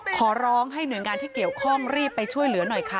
ขอร้องให้หน่วยงานที่เกี่ยวข้องรีบไปช่วยเหลือหน่อยค่ะ